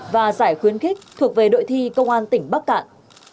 và giải khuyến khích thuộc về đội thi công an tỉnh bắc cạn